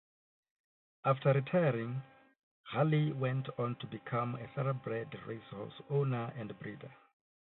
After retiring, Hurley went on to become a thoroughbred racehorse owner and breeder.